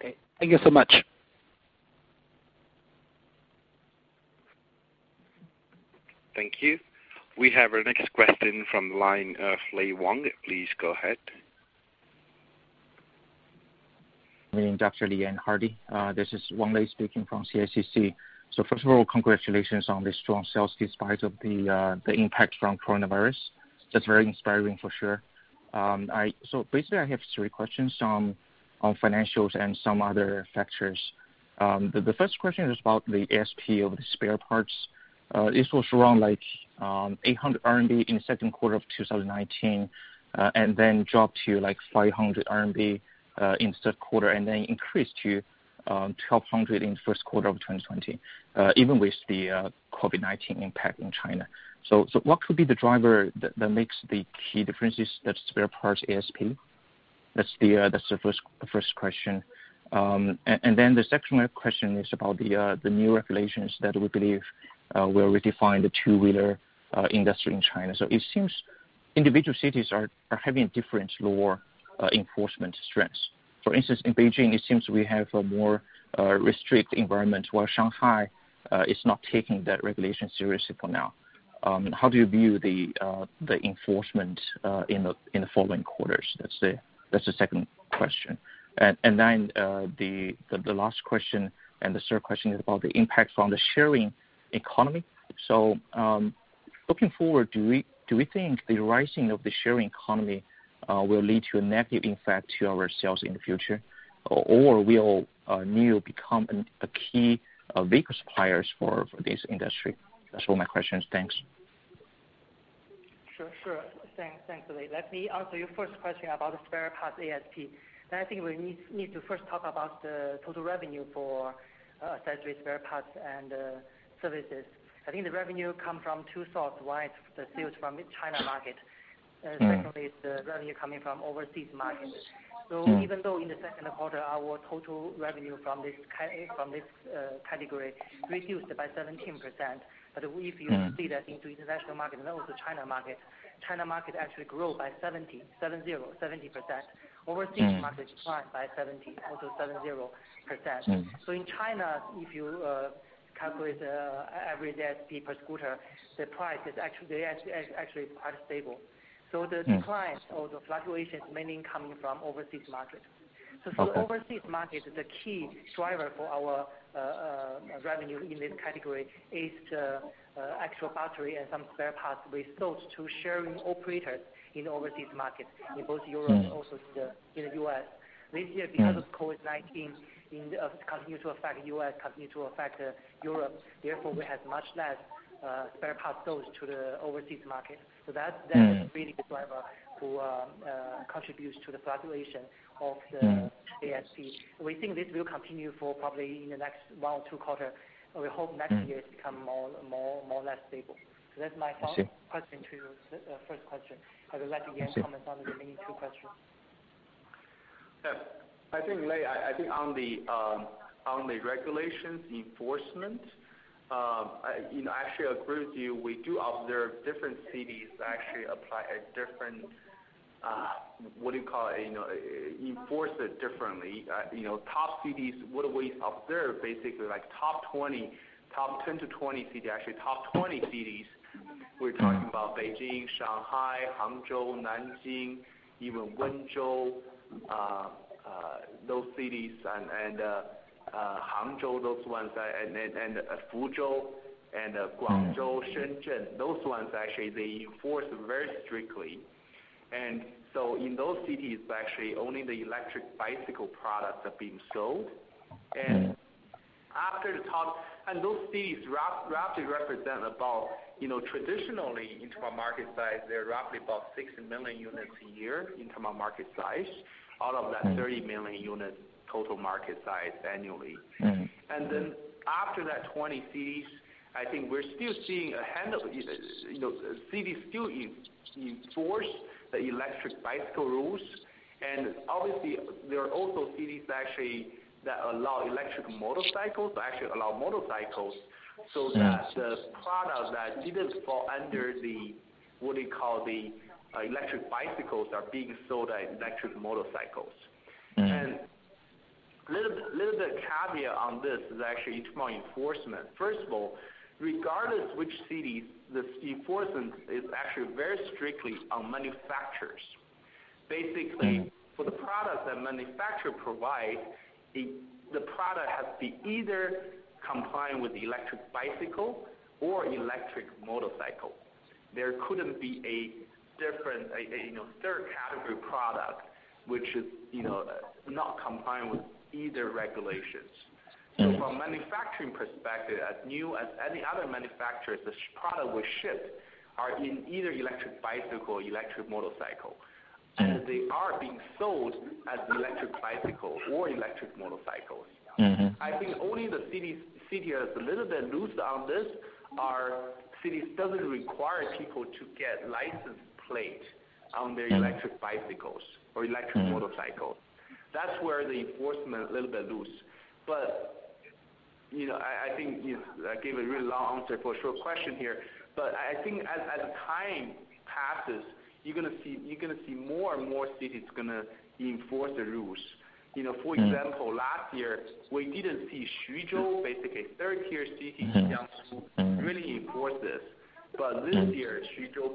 Okay. Thank you so much. Thank you. We have our next question from the line of Lei Wang. Please go ahead. My name is Dr. Yan Li. This is Wang Lei speaking from CICC. First of all, congratulations on the strong sales despite of the impact from COVID-19. That's very inspiring for sure. Basically, I have three questions, some on financials and some other factors. The first question is about the ASP of the spare parts. This was around 800 RMB in the second quarter of 2019, dropped to 500 RMB in the third quarter, increased to 1,200 in the first quarter of 2020, even with the COVID-19 impact in China. What could be the driver that makes the key differences that spare parts ASP? That's the first question. The second question is about the new regulations that we believe will redefine the two-wheeler industry in China. It seems individual cities are having different law enforcement strengths. For instance, in Beijing, it seems we have a more restricted environment, while Shanghai is not taking that regulation seriously for now. How do you view the enforcement in the following quarters? That's the second question. Then, the last question and the third question is about the impacts on the sharing economy. Looking forward, do we think the rising of the sharing economy will lead to a negative impact to our sales in the future? Will Niu become a key vehicle supplier for this industry? That's all my questions. Thanks. Sure. Thanks, Lei. Let me answer your first question about the spare parts ASP. I think we need to first talk about the total revenue for accessory spare parts and services. I think the revenue come from two sources. One is the sales from the China market. Mm-hmm. Secondly, it's the revenue coming from overseas markets. Mm-hmm. Even though in the second quarter, our total revenue from this category reduced by 17%, but if you see that into international market and also China market, China market actually grew by 70%. Overseas market declined by 70, also 70, %. In China, if you calculate the average ASP per scooter, the price is actually quite stable. Declines or the fluctuations mainly coming from overseas market. Okay. For the overseas market, the key driver for our revenue in this category is the actual battery and some spare parts we sold to sharing operators in overseas markets, in both Europe. Also, in the U.S. because of COVID-19, continue to affect U.S. continue to affect Europe, therefore, we have much less spare parts sold to the overseas market really the driver who contributes to the fluctuation of ASP. We think this will continue for probably in the next one or two quarters it become more or less stable. I see. Answer to your first question. I will let Yan- I see. Comment on the remaining two questions. Yeah. I think, Lei Wang, on the regulations enforcement, I actually agree with you. We do observe different cities actually apply a different, what do you call it, enforce it differently. Top cities, what we observe basically, top 20, top 10-20 cities, actually top 20 cities, we're talking about Beijing, Shanghai, Hangzhou, Nanjing, even Wenzhou, those cities, and Hangzhou, those ones, and Fuzhou and Guangzhou, Shenzhen. Those ones actually, they enforce very strictly. In those cities, actually, only the electric bicycle products are being sold. Those cities roughly represent about Traditionally, in terms of market size, they're roughly about 16 million units a year in terms of market size, Out of that 30 million units total market size annually. Then after that 20 cities, I think we're still seeing a handful of cities still enforce the electric bicycle rules. Obviously, there are also cities actually that allow electric motorcycles, that actually allow motorcycles. The products that didn't fall under the, what do you call, the electric bicycles are being sold as electric motorcycles. Little bit caveat on this is actually in terms of enforcement. First of all, regardless which cities, this enforcement is actually very strictly on manufacturers. For the product that manufacturer provide, the product has to be either compliant with the electric bicycle or electric motorcycle. There couldn't be a different, a third category product, which is not compliant with either regulations. From manufacturing perspective, as Niu, as any other manufacturer, the product we ship are in either electric bicycle or electric motorcycle. They are being sold as electric bicycles or electric motorcycles. I think only the cities a little bit loose on this are cities doesn't require people to get license plate on their, electric bicycles or electric motorcycles. That's where the enforcement a little bit loose. I gave a really long answer for a short question here, but I think as time passes, you're going to see more and more cities going to enforce the rules. For example, last year, we didn't see Xuzhou, basically a Tier 3 city in Jiangsu really enforce this. This year, Xuzhou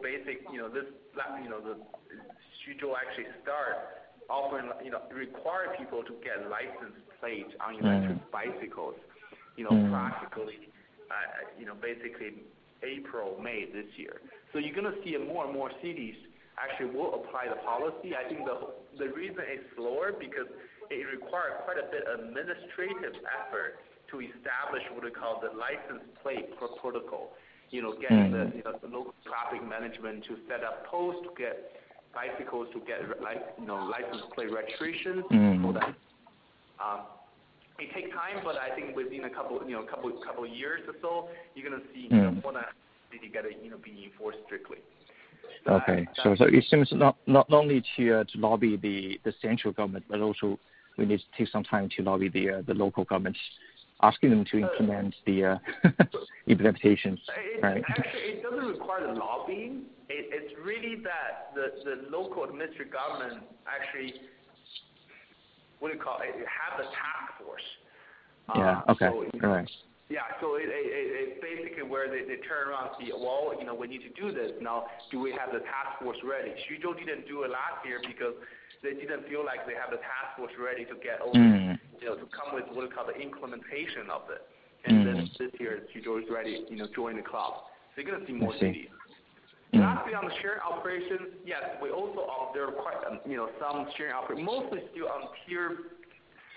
actually start requiring people to get license plates on electric bicycles. Practically, basically April, May this year. You're going to see more and more cities actually will apply the policy. I think the reason it's slower because it requires quite a bit of administrative effort to establish what we call the license plate protocol. Getting the local traffic management to set up posts, to get bicycles, to get license plate registration.It takes time, but I think within a couple of years or so, you're going to see all that together being enforced strictly. Okay. It seems not only to lobby the central government, but also we need to take some time to lobby the local governments, asking them to implement the implementations. Right. Actually, it doesn't require lobbying. It's really that the local administrative government, actually, what do you call it? Have the task force. Yeah. Okay. All right. Yeah. It's basically where they turn around and say, "Well, we need to do this. Now, do we have the task force ready?" Suzhou didn't do it last year because they didn't feel like they had the task force ready, to come with, what do you call it, the implementation of it. This year, Suzhou is ready, join the club. You're going to see more cities. I see. Mm-hmm. Lastly, on the share operation, yes, we also observe some sharing operation, mostly still on Tier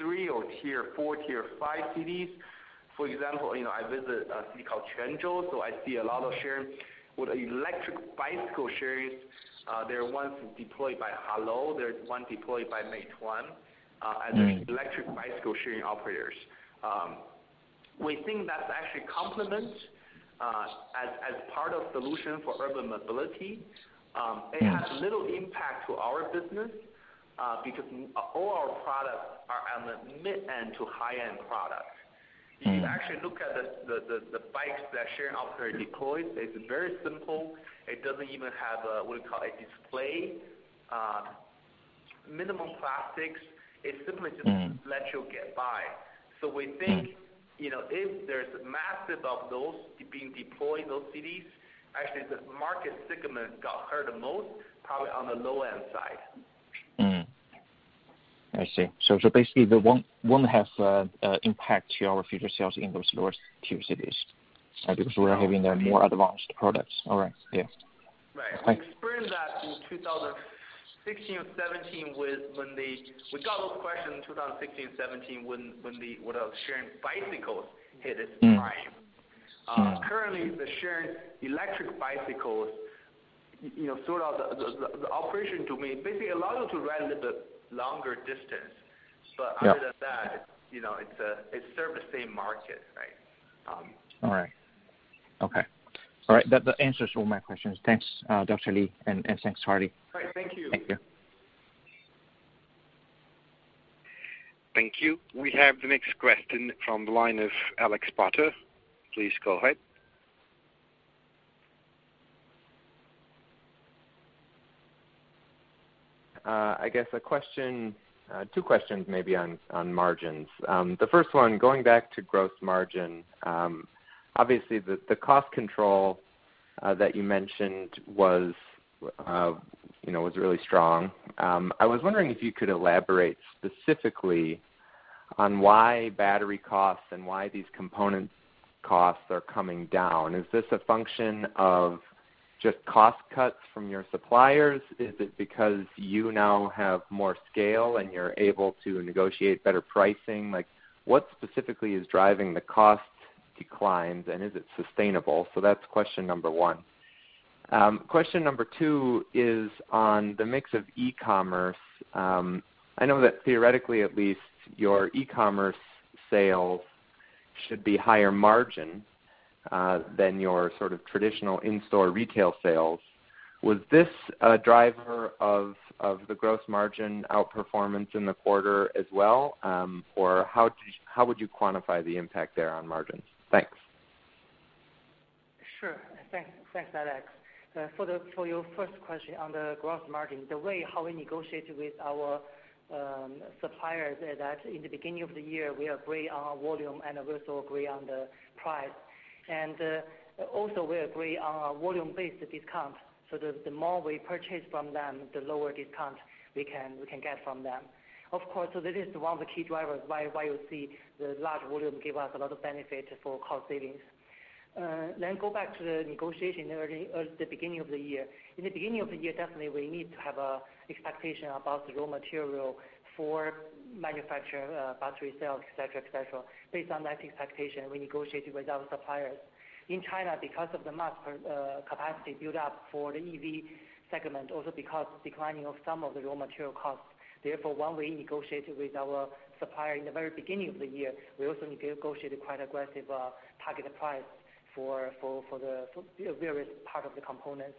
3 or Tier 4, tier 5 cities. For example, I visit a city called Quanzhou, so I see a lot of share with electric bicycle sharing. There are ones deployed by HelloBike, there's one deployed by Meituan. Mm-hmm. As electric bicycle sharing operators. We think that's actually complement as part of solution for urban mobility. Yes. It has little impact to our business because all our products are on the mid-end to high-end products. Mm-hmm. If you actually look at the bikes that sharing operator deploys, it's very simple. It doesn't even have a, what do you call it, display. Minimum plastics. Mm-hmm. Let you get by. We think, if there's massive of those being deployed in those cities, actually the market segment got hurt the most, probably on the low-end side. I see. Basically they won't have impact to our future sales in those Tier 2 cities. Right. We are having the more advanced products. All right. Yeah. Right. Thanks. We got those questions in 2016 and 2017 when the sharing bicycles hit its prime. Currently, the sharing electric bicycles, the operation to me, basically allows you to ride a little bit longer distance. Yeah. Other than that, it serves the same market, right? All right. Okay. All right. That answers all my questions. Thanks, Dr. Li, and thanks, Hardy. All right. Thank you. Thank you. Thank you. We have the next question from the line of Alex Potter. Please go ahead. I guess a question, two questions maybe on margins. The first one, going back to gross margin. Obviously, the cost control that you mentioned was really strong. I was wondering if you could elaborate specifically on why battery costs and why these component costs are coming down. Is this a function of just cost cuts from your suppliers? Is it because you now have more scale, and you're able to negotiate better pricing? What specifically is driving the cost declines, and is it sustainable? That's question number one. Question number two is on the mix of e-commerce. I know that theoretically at least, your e-commerce sales should be higher margin than your traditional in-store retail sales. Was this a driver of the gross margin outperformance in the quarter as well? How would you quantify the impact there on margins? Thanks. Sure. Thanks, Alex. For your first question on the gross margin, the way how we negotiate with our suppliers is that in the beginning of the year, we agree on volume and we also agree on the price. Also we agree on a volume-based discount, so the more we purchase from them, the lower discount we can get from them. Of course, this is one of the key drivers why you see the large volume give us a lot of benefit for cost savings. Go back to the negotiation early, at the beginning of the year. In the beginning of the year, definitely we need to have an expectation about the raw material for manufacture battery cells, et cetera. Based on that expectation, we negotiated with our suppliers. In China, because of the mass capacity build-up for the EV segment, also because declining of some of the raw material costs. Therefore, when we negotiated with our supplier in the very beginning of the year, we also negotiated quite aggressive target price for the various part of the components.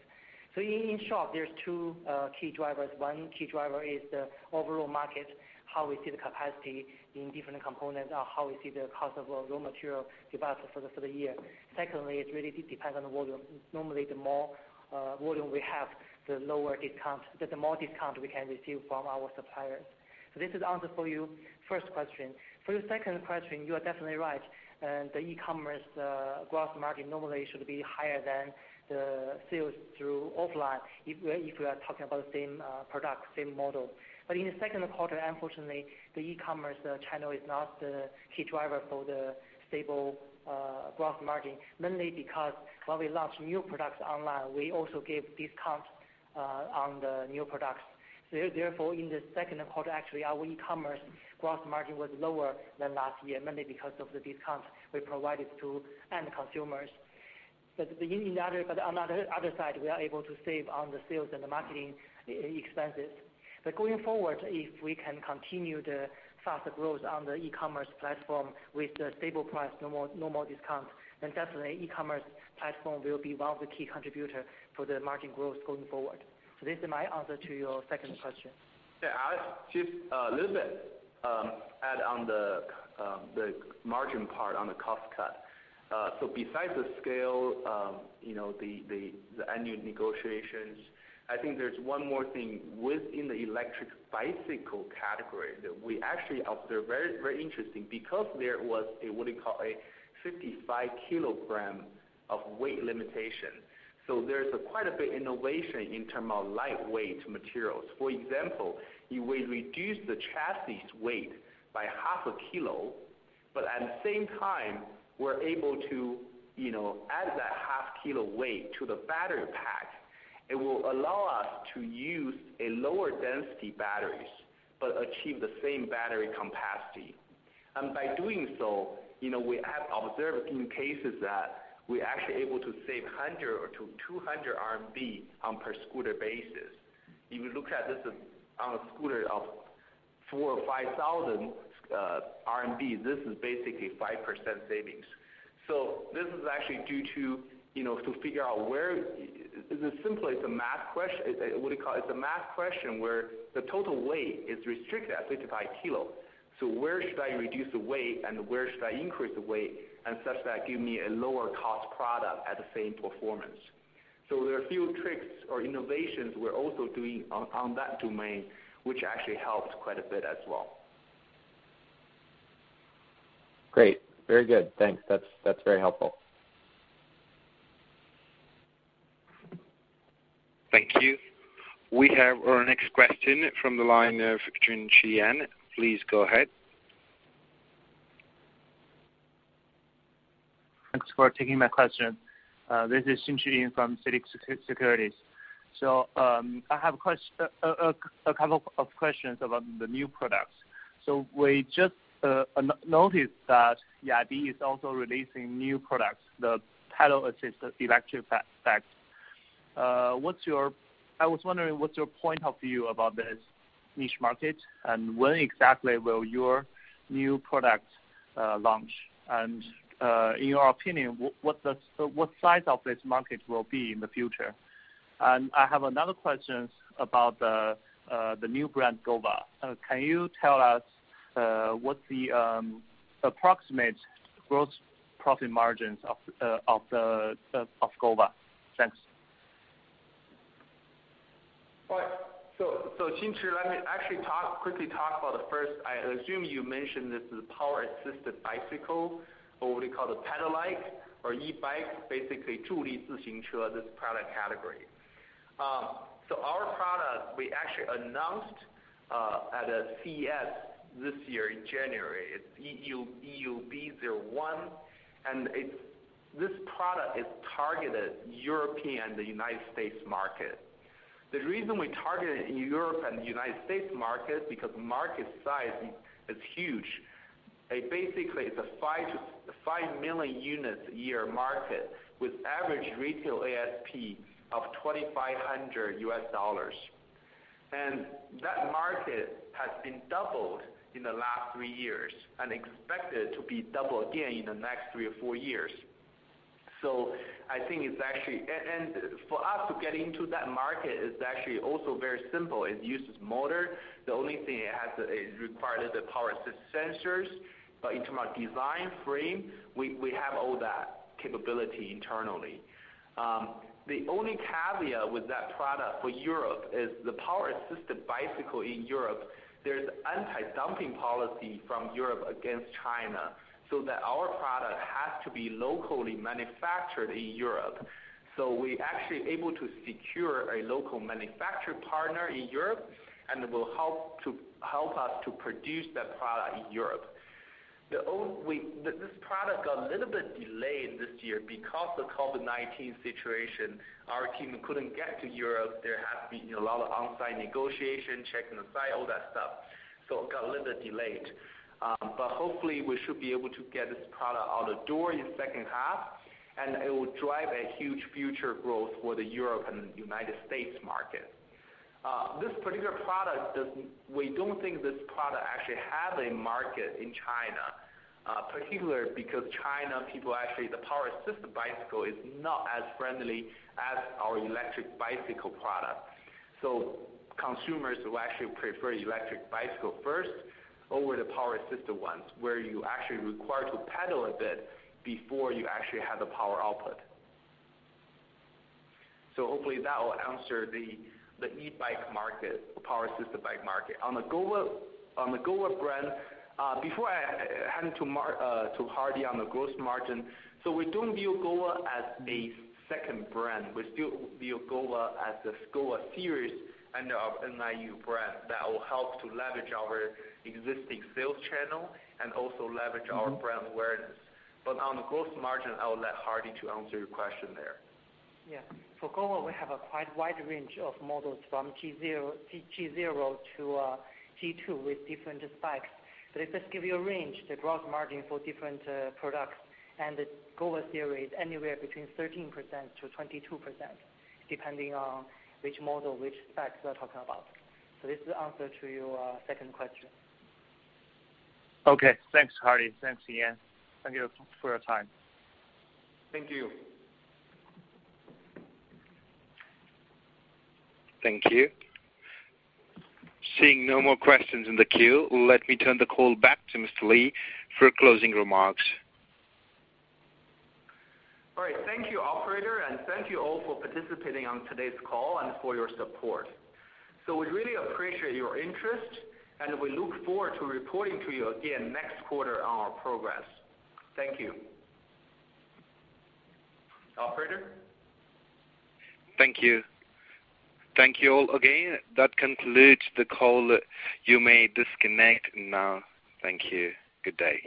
In short, there's two key drivers. One key driver is the overall market, how we see the capacity in different components, or how we see the cost of raw material develop for the year. Secondly, it really depends on the volume. Normally, the more volume we have, the more discount we can receive from our suppliers. This is answer for you first question. For your second question, you are definitely right. The e-commerce gross margin normally should be higher than the sales through offline if we are talking about the same product, same model. In the second quarter, unfortunately, the e-commerce channel is not the key driver for the stable gross margin. Mainly because when we launch new products online, we also give discounts on the new products. Therefore, in the second quarter, actually, our e-commerce gross margin was lower than last year, mainly because of the discounts we provided to end consumers. On the other side, we are able to save on the sales and the marketing expenses. Going forward, if we can continue the faster growth on the e-commerce platform with a stable price, no more discounts, then definitely e-commerce platform will be one of the key contributors for the margin growth going forward. This is my answer to your second question. Yeah, just a little bit add on the margin part on the cost cut. Besides the scale, the annual negotiations, I think there's one more thing within the electric bicycle category that we actually observed. Very interesting, because there was a, what do you call it, a 55 kilograms of weight limitation. There's quite a bit innovation in terms of lightweight materials. For example, you will reduce the chassis weight by half a kilo, but at the same time, we're able to add that half kilo weight to the battery pack. It will allow us to use a lower density batteries but achieve the same battery capacity. By doing so, we have observed in cases that we're actually able to save 100-200 RMB on per scooter basis. If you look at this on a scooter of 4,000 or 5,000 RMB, this is basically 5% savings. This is actually due to figure out where. It's a math question, where the total weight is restricted at 55 kg. Where should I reduce the weight and where should I increase the weight, and such that give me a lower cost product at the same performance? There are a few tricks or innovations we're also doing on that domain, which actually helps quite a bit as well. Great. Very good. Thanks. That's very helpful. Thank you. We have our next question from the line of Xinqian. Please go ahead. Thanks for taking my question. This is Xinqian from CITIC Securities. I have a couple of questions about the new products. We just noticed that NIU is also releasing new products, the pedal-assist electric bikes. I was wondering, what's your point of view about this niche market, and when exactly will your new product launch? In your opinion, what size of this market will be in the future? I have another question about the new brand, Gova. Can you tell us what the approximate gross profit margins of Gova? Thanks. All right. Xinqian, let me actually quickly talk about the first. I assume you mentioned this is power-assisted bicycle, or what do you call it, pedelec or e-bike, basically, this product category. Our product, we actually announced at CES this year in January. It is EUB-01, this product is targeted European, the U.S. market. The reason we targeted Europe and the U.S. market is because market size is huge. Basically, it is a 5 million units a year market with average retail ASP of $2,500. That market has been doubled in the last three years and expected to be double again in the next three or four years. For us to get into that market is actually also very simple. It uses motor. The only thing it required is the power-assist sensors. In terms of design frame, we have all that capability internally. The only caveat with that product for Europe is the power-assisted bicycle in Europe, there's anti-dumping policy from Europe against China, so that our product has to be locally manufactured in Europe. We actually able to secure a local manufacturer partner in Europe and will help us to produce that product in Europe. This product got a little bit delayed this year because of COVID-19 situation. Our team couldn't get to Europe. There has been a lot of on-site negotiation, checking the site, all that stuff. It got a little bit delayed. Hopefully, we should be able to get this product out the door in second half, and it will drive a huge future growth for the Europe and U.S. market. This particular product, we don't think this product actually have a market in China, particular because China, people actually, the power-assisted bicycle is not as friendly as our electric bicycle product. Consumers will actually prefer electric bicycle first over the power-assisted ones, where you actually require to pedal a bit before you actually have the power output. Hopefully, that will answer the e-bike market, the power-assisted bike market. On the Gova brand, before I hand to Hardy on the gross margin, so we don't view Gova as a second brand. We still view Gova as the Gova series under our NIU brand that will help to leverage our existing sales channel and also leverage our brand awareness. On the gross margin, I will let Hardy to answer your question there. Yeah. For Gova, we have a quite wide range of models from G0 to G2 with different specs. If just give you a range, the gross margin for different products and the Gova series, anywhere between 13%-22%, depending on which model, which specs we are talking about. This is the answer to your second question. Okay. Thanks, Hardy. Thanks, Yan. Thank you for your time. Thank you. Thank you. Seeing no more questions in the queue, let me turn the call back to Mr. Li for closing remarks. All right. Thank you, operator, and thank you all for participating on today's call and for your support. We really appreciate your interest, and we look forward to reporting to you again next quarter on our progress. Thank you. Operator? Thank you. Thank you all again. That concludes the call. You may disconnect now. Thank you. Good day.